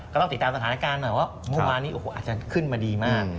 ก็ต้องติดตามสถานการณ์หน่อยว่าเมื่อวานนี้โอ้โหอาจจะขึ้นมาดีมาก